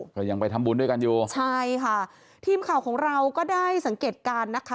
ก็ยังไปทำบุญด้วยกันอยู่ใช่ค่ะทีมข่าวของเราก็ได้สังเกตการณ์นะคะ